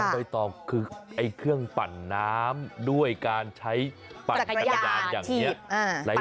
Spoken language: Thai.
น้องต้อยตอบคือเครื่องปั่นน้ำด้วยการใช้จักรยานอย่างนี้